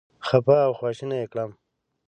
خپه او خواشینی یې کړم.